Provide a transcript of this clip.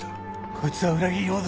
こいつは裏切り者だ。